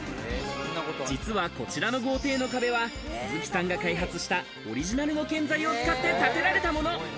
実はこちらの豪邸の壁は、鈴木さんが開発したオリジナルの建材を使って建てられたもの。